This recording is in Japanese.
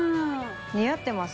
似合ってます？